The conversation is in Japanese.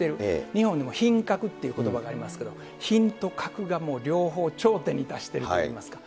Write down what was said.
日本にも品格ということばがありますけど、品と格がもう両方、頂点に達しているといいますか。